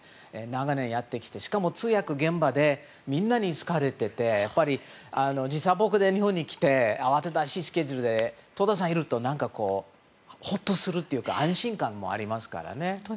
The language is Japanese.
長年やってきてしかも通訳現場でみんなに好かれてて時差ボケで日本に来て慌ただしいスケジュールで戸田さんいると何か、ほっとするというか安心感もありますからね。